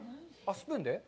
スプーンで？